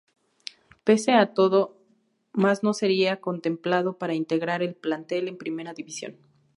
Pese a todo, Maz no sería contemplado para integrar el plantel en Primera División.